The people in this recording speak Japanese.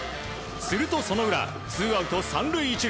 するとその裏ツーアウト３塁１塁。